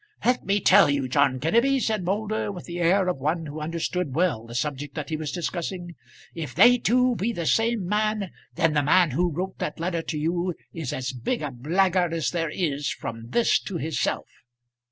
"Let me tell you, John Kenneby," said Moulder, with the air of one who understood well the subject that he was discussing, "if they two be the same man, then the man who wrote that letter to you is as big a blackguard as there is from this to hisself."